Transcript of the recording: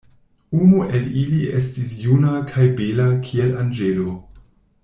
Unu el ili estis juna kaj bela kiel anĝelo.